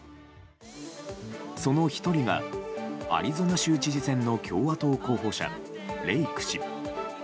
その１人が、アリゾナ州知事選の共和党候補者レイク氏。